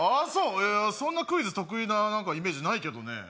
へえそんなクイズ得意なイメージないけどね